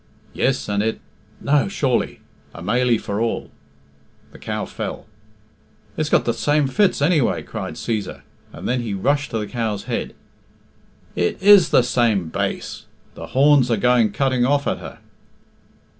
"Yes, and it no, surely a mailie for all " (the cow fell). "It's got the same fits, anyway," cried Cæsar; and then he rushed to the cow's head. "It is the same base. The horns are going cutting off at her.